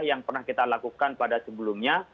yang pernah kita lakukan pada sebelumnya